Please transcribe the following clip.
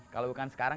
kalau bukan sekarang